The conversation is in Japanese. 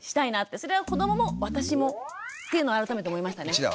それは子どもも私もっていうのは改めて思いましたね。